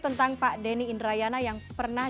tentang pak denny indrayana yang pernah